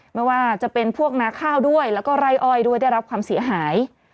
ไม่ว่าจะเป็นพวกนาข้าวด้วยแล้วก็ไร่อ้อยด้วยได้รับความเสียหาย